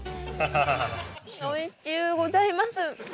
おいしゅうございます。